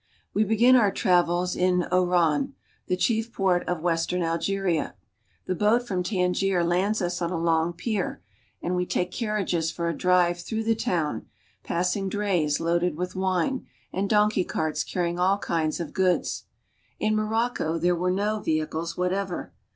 We begin our travels in Oran (o riin'), the chief port of western Algeria. The boat from Tangier lands us on a long pier, and we take carriages for a drive through the town, passing drays loaded with wine, and donkey carts '■We b gn carrying all kinds of goods. In Morocco there were no vehicles whatever.